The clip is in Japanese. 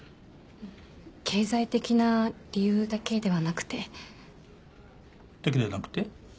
経済的な理由だけではなくてだけではなくて？